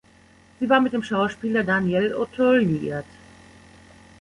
Sie war mit dem Schauspieler Daniel Auteuil liiert.